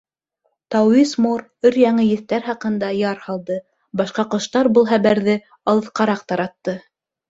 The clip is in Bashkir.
Тауис Мор өр-яңы еҫтәр хаҡында яр һалды, башҡа ҡоштар был хәбәрҙе алыҫҡараҡ таратты.